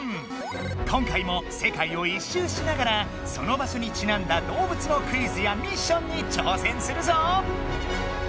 今回も世界を一周しながらその場所にちなんだ動物のクイズやミッションに挑戦するぞ！